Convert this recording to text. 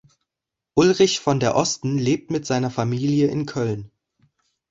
Ulrich von der Osten lebt mit seiner Familie in Köln.